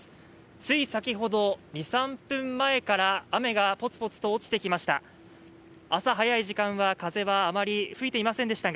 つい先ほど２３分前から雨がポツポツと落ちてきました。